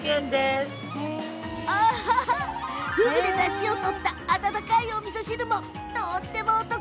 ふぐで、だしを取った温かいおみそ汁もとてもお得。